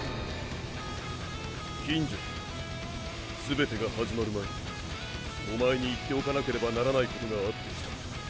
金城全てが始まる前におまえに言っておかなければならないことがあって来た。